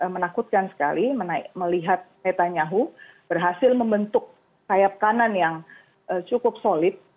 menakutkan sekali melihat heta nyahu berhasil membentuk sayap kanan yang cukup solid